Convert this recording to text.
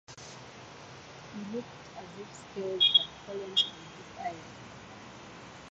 He looked as if scales had fallen from his eyes.